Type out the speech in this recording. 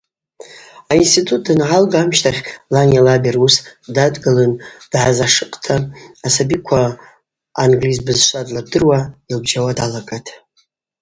Аинститут дангӏалга амщтахь лани лаби руыс дадгылын дазгӏашыкъта асабиква ангьльыз бызшва длырдыруа, йылбжьауа далагатӏ.